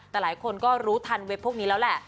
แต่หลายคนก็รู้ทันเว็บพวกนี้แล้วแหละ